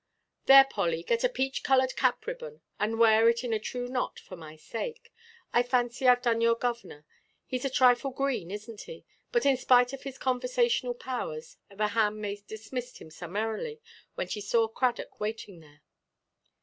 "There, Polly, get a peach–coloured cap–ribbon, and wear it in a true knot for my sake. I fancy Iʼve done your governor. Heʼs a trifle green; isnʼt he?" But, in spite of his conversational powers, the handmaid dismissed him summarily, when she saw Cradock waiting there.